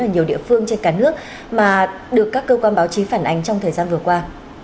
ở nhiều địa phương trên cả nước mà được các cơ quan báo chí phản ánh trong thời gian vừa qua